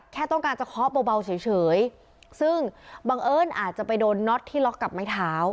แค่ต้องการจะเคาะเบาเฉยซึ่งบังเอิญอาจจะไปโดนน็อตที่ล็อกกับไม้เท้า